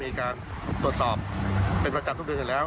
มีการตรวจสอบเป็นประจำทุกเดือนอยู่แล้ว